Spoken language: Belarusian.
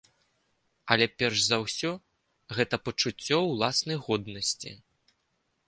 Але перш за ўсё гэта пачуццё ўласнай годнасці.